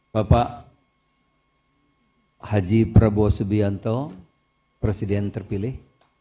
bapak haji prabowo subianto presiden terpilih